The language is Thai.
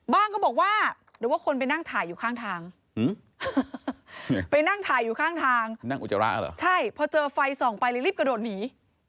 บ้างก็บอกว่าหรือว่าคนไปนั่งถ่ายอยู่ข้างทางนั่งอุจจาระหรอใช่พอเจอไฟสองไปแล้วรีบกระโดดหนี